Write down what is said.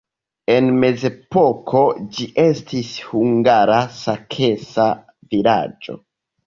En mezepoko ĝi estis hungara-saksa vilaĝo.